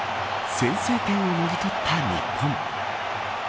先制点をもぎ取った日本。